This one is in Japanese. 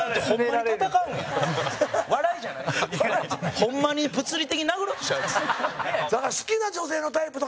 ホンマに物理的に殴ろうとしちゃいます。